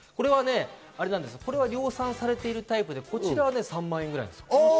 これは量産されているタイプで３万円くらいです。